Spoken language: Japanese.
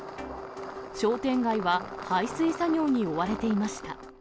商店街は排水作業に追われていました。